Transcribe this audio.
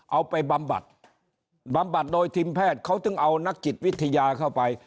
บำบัดบำบัดโดยทีมแพทย์เขาถึงเอานักจิตวิทยาเข้าไป